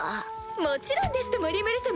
もちろんですともリムル様！